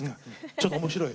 ちょっと面白い。